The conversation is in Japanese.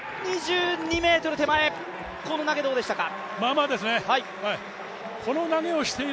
２２ｍ手前、この投げどうでしたか。